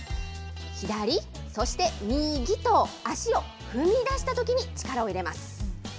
左、そして右と、足を踏み出したときに力を入れます。